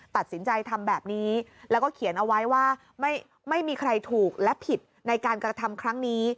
ตัดสินใจทำแบบนี้แล้วก็เขียนเอาไว้ว่าไม่มีใครถูกและผิดในการกระทำครั้งนี้